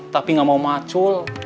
tapi enggak mau macul